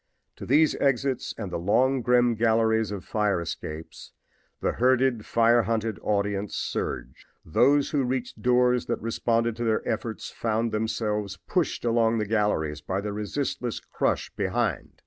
To these exits and the long, grim galleries of fire escapes the herded, fire hunted audience surged. Those who reached doors that responded to their efforts found themselves pushed along the galleries by the resistless crush behind.